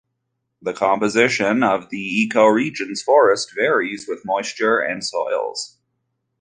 The composition of the ecoregion's forests varies with moisture and soils.